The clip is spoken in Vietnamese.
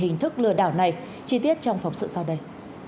hình thức lừa đảo này chi tiết trong phóng sự sau đây